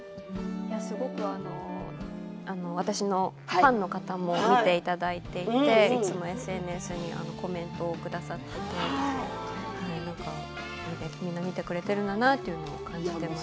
すごく私のファンの方も見ていただいていていつもＳＮＳにコメントをくださってみんな見てくれているんだなというのを感じています。